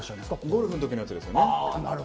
ゴルフの時のやつですよね。